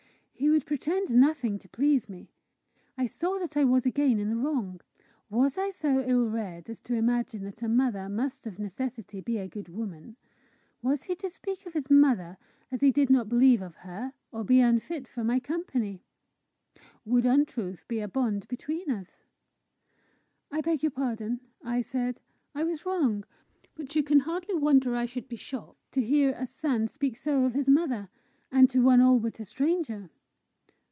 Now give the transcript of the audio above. He would pretend nothing to please me! I saw that I was again in the wrong. Was I so ill read as to imagine that a mother must of necessity be a good woman? Was he to speak of his mother as he did not believe of her, or be unfit for my company? Would untruth be a bond between us? "I beg your pardon," I said; "I was wrong. But you can hardly wonder I should be shocked to hear a son speak so of his mother and to one all but a stranger!"